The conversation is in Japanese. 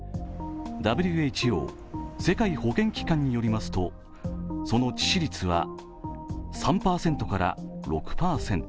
ＷＨＯ＝世界保健機関によりますとその致死率は３％から６％。